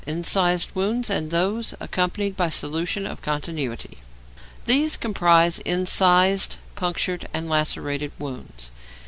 INCISED WOUNDS AND THOSE ACCOMPANIED BY SOLUTION OF CONTINUITY These comprise incised, punctured, and lacerated wounds.